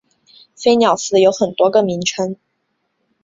飞鸟寺有很多个名称。